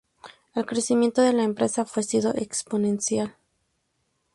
El crecimiento de la empresa fue sido exponencial.